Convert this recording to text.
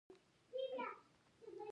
وايي ګر ضرورت بود روا باشد.